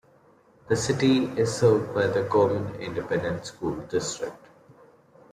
The city is served by the Gorman Independent School District.